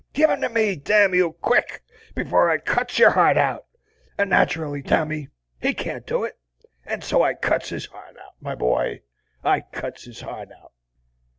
Give 'em to me, damn you, quick, before I cuts your heart out!' And naterally, Tommy, he can't do it. And so I cuts his heart out, my boy; I cuts his heart out."